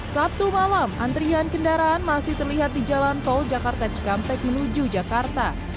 sabtu malam antrian kendaraan masih terlihat di jalan tol jakarta cikampek menuju jakarta